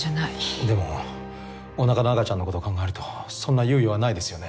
でもおなかの赤ちゃんのことを考えるとそんな猶予はないですよね？